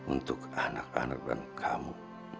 untuk anak anak dan kamu